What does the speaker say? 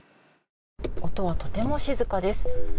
音はとても静かです。